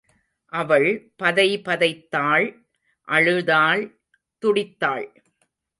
அவள் பதைபதைத்தாள், அழுதாள், துடித்தாள்.